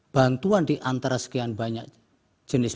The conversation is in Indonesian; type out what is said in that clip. bantuan di antara sekian banyak jenis